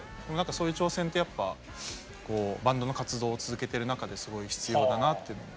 そういう挑戦ってやっぱバンドの活動を続けてる中ですごい必要だなっていうのも。